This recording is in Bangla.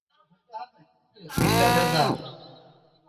ফিফা বিশ্বকাপের যোগ্যতা নির্ধারণী খেলাগুলো পরিচালনা করাও এর অন্যতম কাজ।